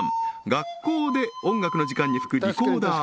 学校で音楽の時間に吹くリコーダー